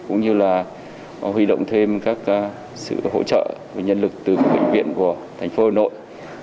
cũng như là huy động thêm các sự hỗ trợ và nhân lực từ các bệnh viện của thành phố hà nội